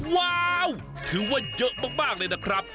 ว้าวถือว่าเยอะมากเลยนะครับ